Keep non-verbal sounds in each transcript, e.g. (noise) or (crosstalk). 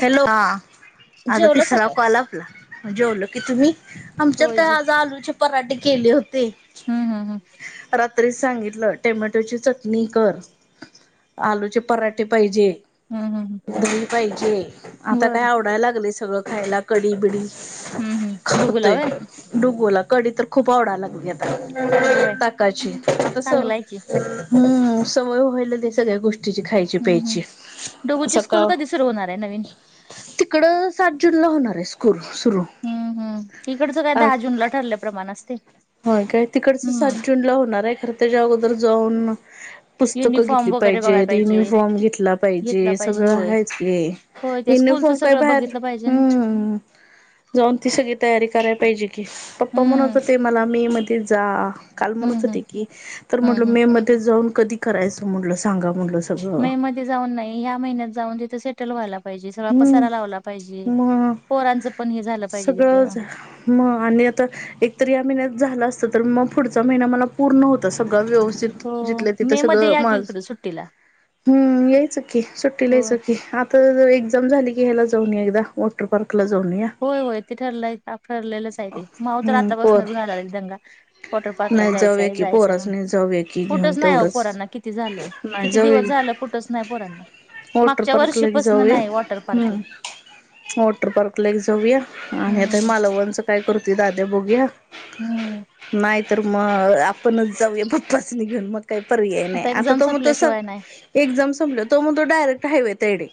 Hello, हा आता जेवलासा तिसरा काय? कॉल अप आपला जेवलो की, तुम्हीं आमच्यात होय काय जे आज आलूचे पराठे केले होते. हं, हां, हां... रात्रीच सांगितलं टोमॅटोची चटणी कर, आलूचे पराठे पाहिजे. ह, हं, हां. दही पाहिजे, आता काय आवडाय लागलंय सगळं खायला कडी बिडी हम्म हम्म डुगूला खातोय, व्हय डुगोला कडी तर खूप आवडा लागलीया अगं बाई ताकाची,, तसं चांगला आहे की हम्म सवय व्हायला ते सगळ्या गोष्टीची खायची हम्म प्यायची, हम्म डुगूची स्कूल सकाळ कधी सुरू होणार आहे नवीन तिकडं सात जून ला होणार आहे स्कूल, सुरू. हम्म हम्म, इकडचं काय आठ दहा जूनला ठरल्या प्रमाणं असतंय. होय काय, तिकडचं सात जून ला होणार हाय खरं त्याच्या अगोदर जाऊन पुस्तकं युनिफॉर्म घेतली वगैरे बघाय पाहिजेत, पाहिजे युनिफॉर्म घेतला घेतला पाहिजे, सगळं होय हायच की. होय त्या स्कूलचं इनिफॉर्म काय सगळं भायर,, बघितलं पाहिजे ना हम्म. जाऊन ती सगळी तयारी करायला पाहिजे की, पप्पा म्हणत हम्म होते मला मे मध्ये जा. काल हम्म म्हणत हम्म होते की, तर म्हणलं हम्म हम्म मे मध्ये जाऊन कधी करायचं म्हणलं सांगा म्हणलं सगळं? मी जाऊन नाही या महिन्यात जाऊन तिथं सेट टल व्हायला पाहिजे, सगळा हम्म पसारा लावला पाहिजे,, मग पोरांचं पण हे झालं पाहिजे तिथं म आणि आता एक तर या महिन्यात झालं असतं, तर मग पुढचा महिना मला पूर्ण होता सगळं व्यवस्थित हो जिथल्या तिथं मे मध्ये सगळं या की माज, इकडं सुट्टीला हम्म यायचं की, सुट्टीला होय यायचं की, आप तर एक्झाम झाली की ह्याला जाऊन येऊया एकदा,, वॉटर पार्कला जाऊन येऊया. होय होय ते ठरलय की आप ठरलेलंच हाय ते,, माऊ तर हम्म पोर आत्तापासूनच घाला लागलय दंगा, वॉटर पार्कला नाही जाऊया जायचंय की जायचंय पोराच म्हणून. नाही जाऊया की घेऊन कुठंच नाही ओ तेवढंच पोरांना किती झालं,,, नाही किती जाऊया दिवस झालं की कुठंच नाही पोरांना वॉटर मागच्या पार्क ला एक वर्षीपासन जाऊया,, नाही वॉटर पार्कला हम्म वॉटर पार्कला एक जाऊया,, आणि आता हम्म हे मालवणचं ते दाद्या बघूया,,, हम्म नायतर मग आपणच जाऊया पप्पास्नी घेऊन,, मग काय पर्याय नाय्य,, आता एक्झाम तो म्हणतो स संपल्याशिवाय नाही एक्झाम संपल्याव, तो म्हणतो डायरेक्ट हायवे हाय तायडे,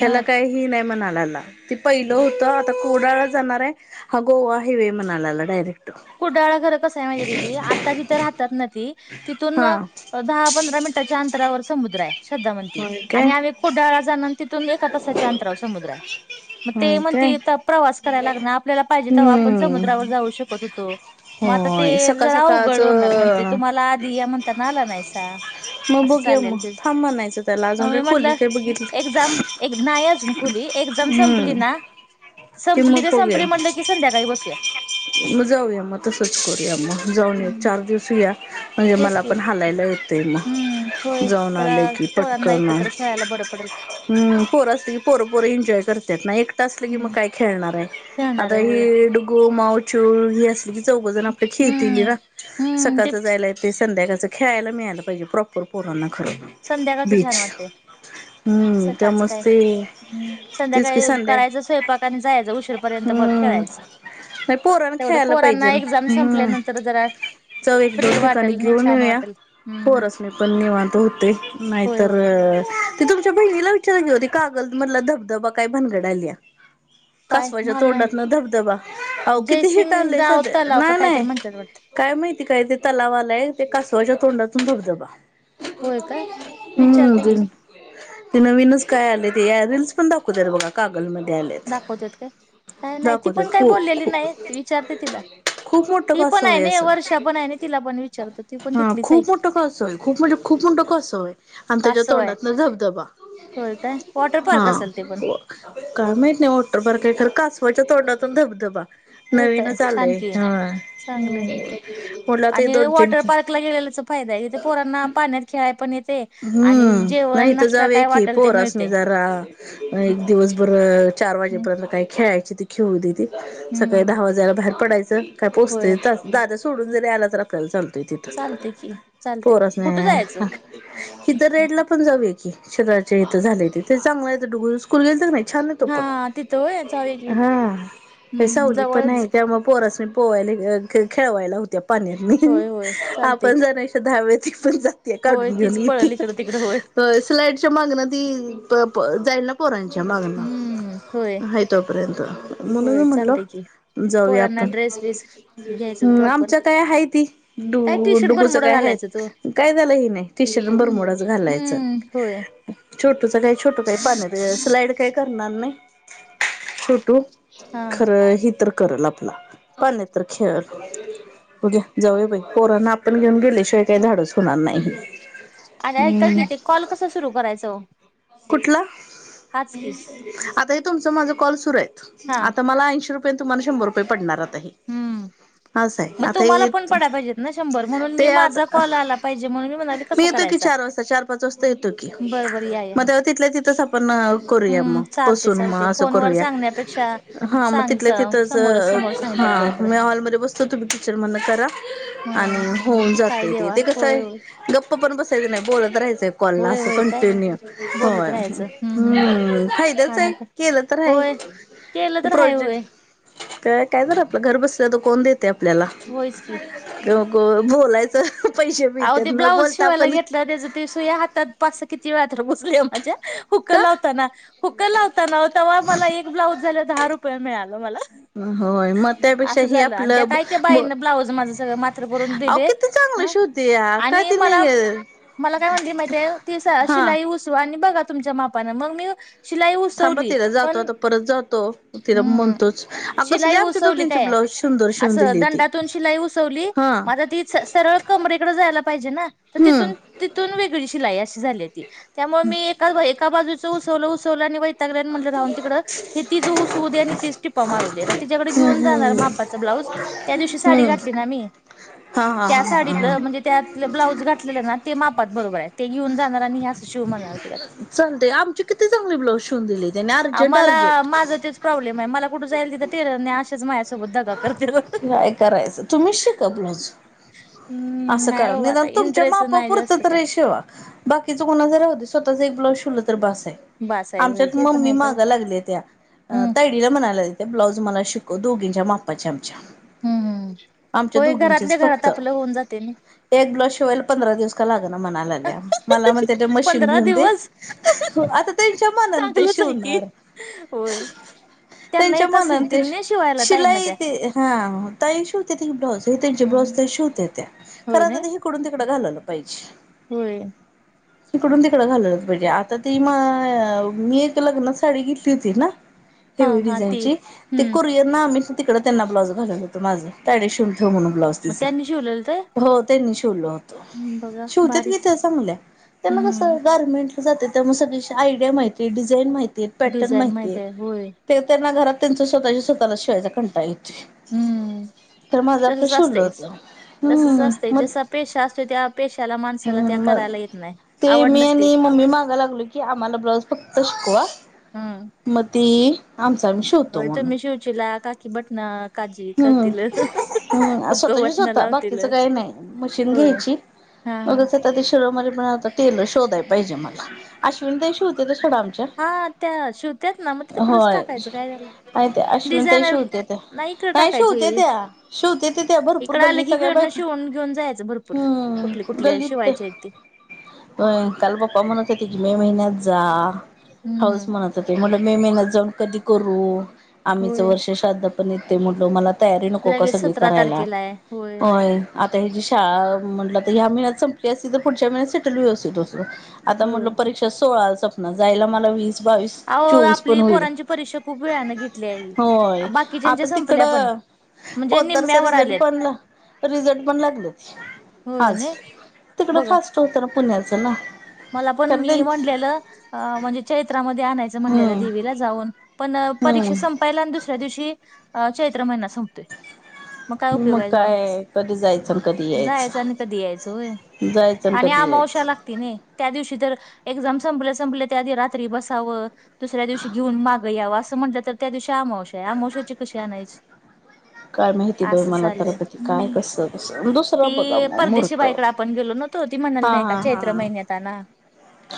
ह्याला हा काय हे नाही म्हणालाला, ते पहिलं होतं आता कोडाळलाहजाणार आय,, हा गोवा हायवे मणालाला डायरेक्ट. कुडाळा घरं कसं आहे माहितीे दिदी, आता तिथं राहतात ना ती, तिथून- हा अ दहा पंधरा मिनिटाच्या अंतरावर समुद्र आहे, श्रद्धा म्हणती, होय काय आणि आम्ही कूडाळला जाणं तिथून एका तासाच्या अंतराव समुद्र हाय. मग ते होय काय म्हणते आता प्रवास करायला लागणार, आपल्याला पाहिजे तेव्हा आपण हम्म समुद्रावर जाऊ शक त होतो,, मग आता होय ते सकाळ जरा सकाळच आवघड होणार म्हणते, तुमाला आधी या म्हणताना आला नाहीसा. मग असं बघुया चाललेल मग, तेच थांब म्हणायचं तेला मग अजून मी काय खोली म्हटलं काय बघितली एक्झाम एक नाही अजून खुली, एक्झाम संपली हम्म ना कि संपली मग ते संपली बघूया म्हटलं की संध्याकाळी बसूया. मग जाऊया म तसंच करूया, म्जाऊन हम्म चार दिवस ईऊया, म्हणजे तेच मला की पण हलायला येतंय हम्म मग, होय जाऊन जरा आलं की पोरांना पटकन एकत्र खेळायला बरं पडेल. हम्म,, पोरं असलं की पोरंपोरं एन्जॉय करत्यात ना एकटं असलं की मग हम्म काय खेळणार हाय. खेळणार आता आहे होय. ही डुगू माए चुळ हे म्ह ती चौघजणं आपलं खेळतीली हम्म ना, हम्म सकाळचं तेच जायला ते संध्याकाचं खेळायला मिळालं पाहिजे प्रॉपर पोरांना खरं संध्याकाळचं छान बीच वाटतंय,, हम्म सकाळचं त्यामुळेच काय ते हम्म, तेच की संध्याकाळी संध्या करायचं स्वयंपाक आणि जायाचं उशीरपर्यंत बघ खेळायचं. नाय पोराणा तेवढं खेळायला पोरांना पायजेन एक्झाम हम्म. संपल्यानंतर जरा चव एक फ्री दोन ठिकाणी वाटेल आणि घेऊन छान येऊया वाटेल. हम्म पोरस पण निवांत होतोय, होय नाहीतर होय ते तुमच्या बहिणीला विचारा कि ओ ते कागल मधला धबधबा काय भानगड आलीया? काय कासवाच्या मला नाही तोंडातनं धबधबा आवो किती हिट जयसिंग आलंय राव सध्या तलाव का नाय कायतरी नाय म्हणतात वाटतं काय माहिती काय ते तलाव आलय? ते कासवाच्या तोंडातून धबधबा. होय काय? हम्म विचारते ते की ते नवीनच काय आले ते या (unintelligible) पण दाखवत्यात बगा. कागलमध्ये आले दाखवत्यात काय? काय नाही ती पण काही खू बोल्ल्याली नाय विचारते तिला. खूप मोठं ती कासव पणेय आहे नी असं. वर्षा पणय नी तिला पण विचारतो ती पण हा तिथलीचय खूप की. मोठं कासव आहे खूप म्हणजे खूप मोठ कासंवय आणि त्याच्या कासव आहे. तोंडातनं धबधबा. होय काय? वॉटर पार्क हा असेल ते पण. काय म्हायती नाय वाॅटर पार्कय का खर कासवाच्या तोंडातून धबधबा‌. होय काय नवीनच छान आलोय. की हाय चांगलंय. हम् म्हटलंता एक दोन तीन ला गेलेलेचा फायदाय इथे पोरांना पाण्यात खेळाय पण येते आणि हम्म जेवण नाही इथं नाश्ता जावुया काय की वाटेल ते पोरासनी मिळते. जरा एक दिवसभर चार वाजेपर्यंत काय खेळायचे ते खेळुदेत. सकाळी हम्म दहा वाजायला बाहेर पडायचं काय पोचतेय होय दा दाद्या सोडून जरी आला तर आ काल चालतोय तिथं चालते की चालते पोरासनी कुठं जायचं? इिथ रेडला पण जाऊया की शरराच्या इथं झालय ते चांगलंय डुग- कुलग्याच नाही छान नाही तो हा तिथं होय जाऊया की पण हा. काय हम्म सावली पणय जवळच त्यामुळे पोरसनी पोवायला ह्य खे खेळवायला होतय पाण्यात. होय होय चालते आपण की जाणशा दहा वेळा ती पण जातीय होय काढून घेऊन तीच इतीय. पळल इकडं तिकडं होय स्लाईडच्या मागण्या ती प प जाई ना पोरांच्या हम्म होय मागनं हाय तोपर्यंत. म्हणून मी होय म्हणलं चालते की जाऊया पोरांना आपण. ड्रेस बीस घ्यायचं हम्मं प्रॉपर आमच्या ताय हायती डु काय टी शर्ट डुगूचं बरमुडा काय हाय घालायचं तो काय झालं हि ने, टी शर्ट न हम्म बरमुडाच घालायचं. हम्म होय छोटूच काय छोटू काय पान्यात स्लाईड काही करणार नाय छोटू. हा खरं हि तर करल आपला पान्यात तर खेळल. बघूया जाऊया बाई पोरांना आपण घेऊन गेल्या शिवाय काय धाडस होणार नाय. आणि ऐका कि ते कॉल कसं सुरु करायचं ओ? कुठला? हाच की आता हे तुमचं माझं कॉल सुरूयत हा आता मला ऐंशी रुप पय तुम्हाला शंभर रुपये पडणार आता हे. हम्म असय मग आता तुम्हाला हे पण पडाय पाहिजेत ना शंभर म्हणून ते मी माझा आता कॉल आला पाहिजे म्हणून म्हणाले मी कसा येतो की करायचा चार वाजता चार पाच वाजता येतो की. बरोबर या या मग तेवा तिथल्या तिथंच आपण करूया हम्म मग चालते बसून मग चालते असं फोनवर करूया. सांगण्यापेक्षा हा मग सांग तिथल्या तिथंच समोरच अं समोर हा सांगितलेलं बरं मी पडत हॉलमध्ये बसतो तुम्ही किचन मधन करा. हा आणि होऊन काय जातय ते. देवा ते होय कसय होय गप्प पण बसायचं नाही बोलत राहायचं. पण ना होय असं होय काय कंटिन्यू होय हम्म फायद्याचय आणि काय केलं तर हाय. होय केलं तर हाय होय. काय काय तर आपलं घर बसल्या तर कोण देतय आपल्याला होयच की तेव्हा को बोलायचं पैसे अहो मिळत्यात ते न ब्लाऊज बोलता शिवायला पण घेतलं त्याचं ते सुया हातात पासा किती वेळा तर बोचले ओ माझ्या. हुकं का लावताना हुकं लावताना वो तवा मला एक ब्लाउज झाला दहा रुपये मिळाल मला होय मग त्यापेक्षा असं हे झालं आणि त्या आपलं काय त्या बाईंन ब्लाऊज माझं मात्र करून अहो दिले किती चांगलं अ. शोधया काय आणि ती मला नाही मला काय म्हणली माहिती आहे ती हा शिलाई उसवा आणि बघा. तुमच्या मापान मग मी शिलाई थांबा उसवली तिला जातो पण आता परत जातो तिला हम्म म्हणतोच अ कसले शिलाई आमच्या उसवली दोघींचे काय ब्लाऊज सुंदर शिवून असं दिली ती दंडातून शिलाई उसवली हा माझ ती स सरळ कमरे इकडं जायला पाहिजे ना तर हम्म तिथून तिथून वेगळी शिलाई अशी झालीय ती त्यामुळे मी एका एका बाजूचं उसवलं उसवलं आणि वैतगले म्हटलं राहू दे तिकडं हे तीच उसवू दे आणि तीच टिपा मारू दे तिच्याकड घेऊन जाणार मापाच ब्लाऊज त्या दिवशी साडी हम्म घातली ना मी हा हा हा हा. हा जे त्यातलं ब्लाउज घातलेलं ना ते मापात बरोबर आहे ते घेऊन जाणार आणि अस शिव म्हणणार तिला चालते आमची किती चांगली ब्लाऊज शिवून दिली त्याने आवो अर्जंट मला अर्जंट माझ ते प्रॉब्लेम आहे मला कुठ जाईल तिथं टेलरने असेच माझे. अ नाही करायचं तुम्हीच शिका ब्लाउज हम्म असं नाही करा बाबा निदान आता तुमच्या इंटरेस्ट मापा नाही जास्त पुरतं काय तरी शिवा बाकीच कोणाच राहू दे स्वताच एक ब्लाऊज शिवलं तर बस आहे. बास आहे होय आमच्यात ते पण मम्मी आहे खरं मागाय लागले त्या अ हम्म तरी तीला म्हनाल ते ब्लाउज मला शिकव दोघींच्या मापाच्या आमच्या हम्म हम्म आमच्या होय घरातल्या दोघींचेच घरात फक्त आपलं होऊन जाते न एक ब्लाउज शिवायला पंधरा दिवस का लागणा म्हणाय लागल्या मला म्हणत्या ते मशीन पंधरा घेऊन दे दिवस आता त्यांच्या मनान ते चांगलंच आहे की शिवणार होय ह त्यांना त्यांच्या येत मनात ते असतील ना शिवायला ताईंना शिलाई त्या येते हा ताई शिवते ती ब्लाउज त्यांचे ब्लाउज हम्म तेच शिवत्यात होय करा ना ते इकडून तिकडं घालायला पाहिजे. होय. (unintelligible) ईकडून तिकडं घाललं पाहिजे आता ती म मी एक लग्नात साडी घेतली होती ना हा हेवी हा ती डिझाईनची ते हम्म कुरियरन आम्ही तिकड त्यांना ब्लाऊज घालल होत माझं त्यांनि शिवून ठेव म्हणून ब्लाउज मग तिच त्यांनी शिवलेलं ते हो त्यांनी शिवल होत बघा शिवत्यात ना भारीच त्या चांगल्या त्यांना कसं हम्म गारर्मेंट ला जात्यात त्यामुळे सगळी आयडिया माहिती डिझाईन माहिती ते पॅटर्न डिझाईन माहिती माहित हे आहे होय ते त्यांना घरात त्यांच स्वतःच्या स्वतःला शिवायचा कंटाळा येते. हम्म त मला पण तसच शिवल होत. असतंयच तसच असते जसा पेशा असतो त्या पेशाला माणसाला त्या हम्म मग करायला येत नाही. ते आवड मी नसते आणि मम्मी मागाय लागलो. की आम्हाला ब्लाउज फक्त शिकवा मग ते आमचा आम्ही शिऊ. हो तुम्ही शिवचीला काकी बटणार. काजी हम्म करतील ह्ह ह ह हम्म हुक स्वतःची बटण स्वतः लावतील बाकीचं काही नाही होय. हा हा. तस ते शोध मला शोधाय पाहिजे मला. अश्विनी ताई शिवते देशी आमच्या हा त्या शिवत्यात ना मग ते तिकडच होय. टाकायचं काय झालं नाही ते अश्विन ताई डिझायनर शिवते ते. इकडे नाही टाकायची शिवते त्या शिवते ते त्या भरपूर इकडं आलं गलली की सगळ्या इकडनं बायका. शिवून घेऊन जायचं भरपूर कुठली हम्म कुठल्या गल्लीत शिवायची आहेत ती काल पप्पा म्हणत होते की, मे महिन्यात जा हाळुच हम्म म्हणत ते म्हटलं मे महिन्यात जाऊन कधी करू आमितच होय वर्ष श्राद्ध पण येते म्हटलं मला तयारी नको का लगेच सगळी सतरा करायला. तारखेला आहे होय अ आता ह्या जी शाळा म्हटली तर ह्या महिन्यात संपली असती तर पुढच्या महिन्यात सेटल व्यवस तो आता होय म्हटल परीक्षा सोळा संपणार जायला मला वीस, बावीस आवो चोवीस आपली पण होईल पोरांची परीक्षा खूप वेळाने घेतली आहे बाकीच्याच्या इकडं पोदरचा आल्यात (unintelligible) रिझल्ट पण लागले होय आज नाही तिकडं बघा फास्ट होतं ना पुण्याचं ना, मला पण खरं मी त्यांची म्हटलेलं अ म्हणजे चैत्रामध्ये आणायचं म्हटलेलं हम्म देवीला जाऊन पण परीक्षा हम्म संपायला आणि दुसऱ्या चैत्र संपतोय. काय उपयोग मग आहे जाऊन काय? कधी जायचं, कधी जायचं आणि कधी होय यायचं. जायचं आणि कधी अमावश्या यायचं, लागते त्या दिवशी तर एक्झाम संपल्या-संपल्या त्याआधी रात्री बसावं. दुसऱ्या दिवशी घेऊन मागे यावं असं म्हटलं तर त्या दिवशी आमावशा आहे. आमावशाची कशी आणायची? काय माहिती बाई असं मला चाललंय तरका क काय कसं कसं ती दुसरं बघा मग मुहूर्त परदेशीबाईकडे आपण गेलो न्हवतो ती म्हणाली नाही का चैत्र महिन्यात आणा.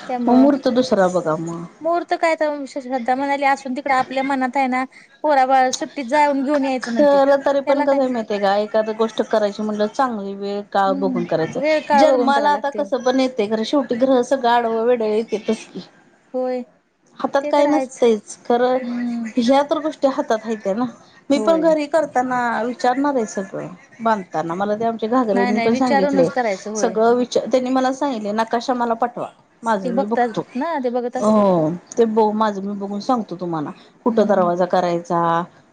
त्यामुळं ्मुहुर्त दुसरा बघा म मुहूर्त काय तर श्रद्धा म्हणाली असून तिकडं आपल्या मनात आहे ना, पोरा-बाळा सुट जाऊन घेऊन यायचं म्हणती त्याला काय? ते काय एखादी गोष्ट करायची म्हणलं की, चांगली वेळ काळ बघून हम्म करायचं. वेळ काळ बघून कराय जन्मला आता लागते कसं पण येते खर शेवट हे रोज आडव-बिडव तेच की, होय हातात ते तर काय आहेच नसतच? खर हम्म ह्या तर गोष्टी हातात हाइता ना, मी पण होय घरी करताना विचारणार आहे सगळं बांधताना मला त्या नाही घागरनी नाही पण सांगितले विचारूनच करायचं होय सगळं विचार त्यांनी मला सांगितले नकाशा मला पाठवा. माझं ते मी बघतात बघतो. ना ते बघत अ असतील की ते बघ माझं मी बघून सांगतो तुम्हाला, कुठं हम्म दरवाजा करायचा?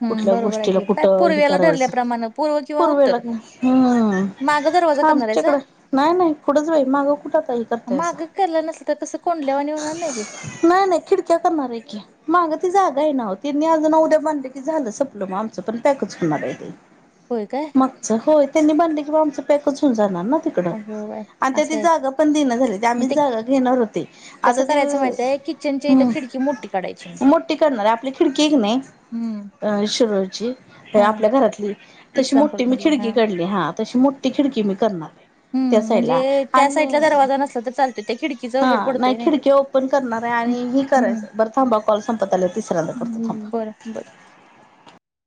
हम्म कुठल्या बरोबर आहे गोष्टीला की काय कुठं हे पूर्वेला करायचं. धरल्याप्रमाणे पूर्व किंवा पूर्वेला उत्तर का हम् माग दरवाजा हा करणार आहेसा आमच्याकडं नाही नाही पुढंच बाई मागं कुठं हे करताइसा माग केला नसल तर कसं कोंडल्यावाणी होणार नाही ते नाही नाही. खिडक्या करणार आहे की, माग ती जागा आहे ना तिनी आज ना उद्या बांधले की, झालं म्हणून आमच बी पॅकच होणार आहे. बाई होय काय? मगच होय त्यांनी बांधल की, म आमचं पॅकच होऊन जाणार ना, तिकड अगं बाय आणि त्यात असं आहे जागा पण दिणापण झाली ती मग आम्हीच ते जागा घेणार होते. आता कसं ते करायचं माहितय किचनच्या इथं खिडकी मोठी काढायची हम् मोठे करणार आहे, आपल्या खिडकी आहे क नाही, हम्म अऽ शिरोळची, हा आपल्या घरातली तशी इस्लामपूर मोठी मी मधली हा खिडकी काढली, हा तशी मोठी खिडकी मी करणार आहे. त्या हम्म साईडला, म्हणजे त्या आणि साईडला दरवाजा नसला तर चालतोय त्या खिडकीचा उजेड हा नाही पडतोय खिडकीे ओपऽ पण करणार आहे, आणि ही हम्म करायचं, बर थांबा कॉल संपत आलं, तिसऱ्यांदा करतो हम्म. थांबा. बरं बरं.